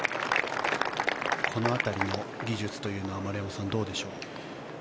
この辺りの技術というのは丸山さん、どうでしょう。